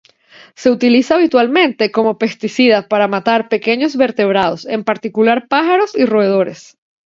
Se utiliza habitualmente como pesticida para matar pequeños vertebrados, en particular pájaros y roedores.